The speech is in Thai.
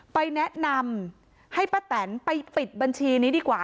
ไปแนะนำให้ป้าแตนไปปิดบัญชีนี้ดีกว่า